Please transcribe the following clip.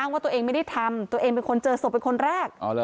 ว่าตัวเองไม่ได้ทำตัวเองเป็นคนเจอศพเป็นคนแรก